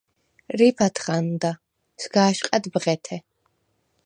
რიფ ათღანდა, სგა̄შყა̈დ ბღეთე.